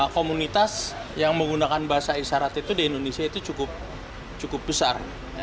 komunitas yang menggunakan bahasa isyarat itu di indonesia itu cukup besar